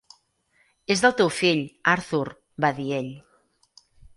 "És del teu fill, Arthur", va dir ell.